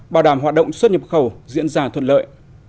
bảo đảm hoạt động xuất nhập khẩu diễn ra thuận lợi